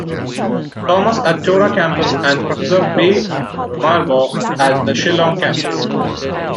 Thomas at the Tura campus and Professor B. Myrboh at the Shillong campus.